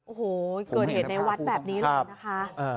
โอ้โหเกิดเหตุในวัดแบบนี้เลยนะคะ